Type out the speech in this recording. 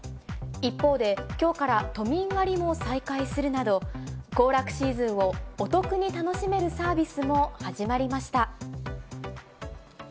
一方で、きょうから都民割も再開するなど、行楽シーズンをお得に楽しめるサービスも始まりました。